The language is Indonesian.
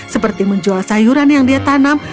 seperti menjual sayuran yang dia tanam